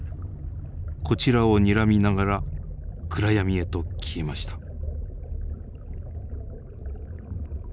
こちらをにらみながら暗闇へと消えました。